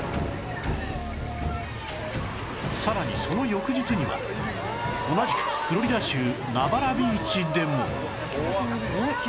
さらにその翌日には同じくフロリダ州ナバラビーチでも